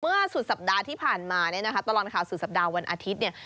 สุดสัปดาห์ที่ผ่านมาเนี่ยนะคะตลอดข่าวสุดสัปดาห์วันอาทิตย์เนี่ย